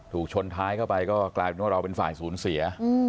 ชนท้ายเข้าไปก็กลายเป็นว่าเราเป็นฝ่ายศูนย์เสีย